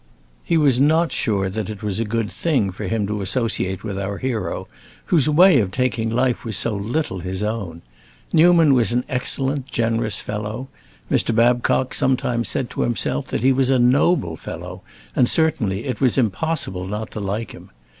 He was not sure that it was a good thing for him to associate with our hero, whose way of taking life was so little his own. Newman was an excellent, generous fellow; Mr. Babcock sometimes said to himself that he was a noble fellow, and, certainly, it was impossible not to like him.